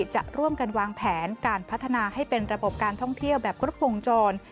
จะร่วมกันวางแผนการพัฒนาให้เป็นระบบการท่องเที่ยวแบบครบวงจร